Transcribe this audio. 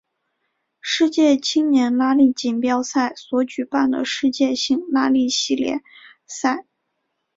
世界青年拉力锦标赛所举办的世界性拉力系列赛。